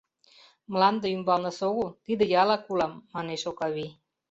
— Мланде ӱмбалнысе огыл, тиде ялак улам, — манеш Окавий.